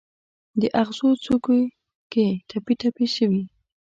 د اغزو څوکو کې ټپي، ټپي شوي